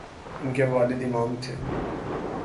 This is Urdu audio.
ان کے والد امام تھے۔